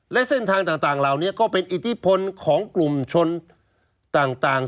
และเส้นทางต่างเหล่านี้ก็เป็นอิทธิพลของกลุ่มชนต่าง